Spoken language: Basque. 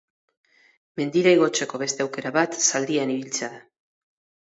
Mendira igotzeko beste aukera bat zaldian ibiltzea da.